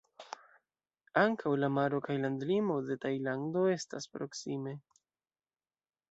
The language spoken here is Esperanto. Ankaŭ la maro kaj landlimo de Tajlando estas proksime.